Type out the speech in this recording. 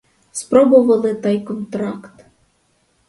Спробували та й контракт.